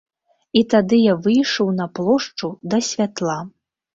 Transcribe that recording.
І тады я выйшаў на плошчу, да святла.